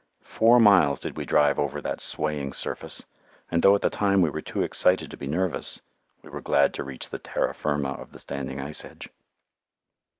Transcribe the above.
Four miles did we drive over that swaying surface, and though at the time we were too excited to be nervous, we were glad to reach the "terra firma" of the standing ice edge.